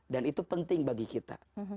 dan itu penting bagi kita